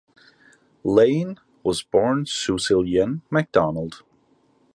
Lane was born Suzilienne McDonald.